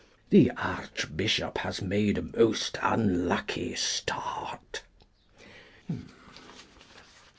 The Archbishop has made a most unlucky start.